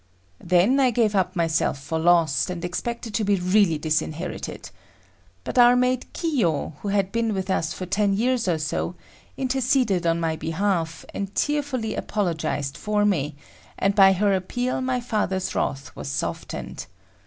Then I gave up myself for lost, and expected to be really disinherited. But our maid Kiyo, who had been with us for ten years or so, interceded on my behalf, and tearfully apologized for me, and by her appeal my father's wrath was softened.